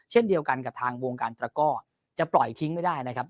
เช่นเดียวกันกับทางวงการตระก้อจะปล่อยทิ้งไม่ได้นะครับ